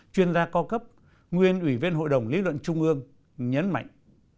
chuyên gia co cấp nguyên ủy viên hội đồng lý luận trung ương nhấn mạnh